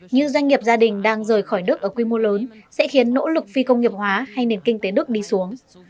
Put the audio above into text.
như doanh nghiệp gia đình đang rời khỏi đức ở quy mô lớn sẽ khiến nỗ lực phi công nghiệp hóa hay nền kinh tế đức đi xuống